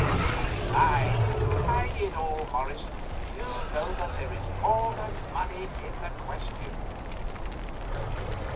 Besides, hang it all, Morris, you know that there is more than money in the question."